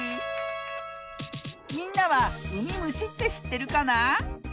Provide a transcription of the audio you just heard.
みんなはうみむしってしってるかな？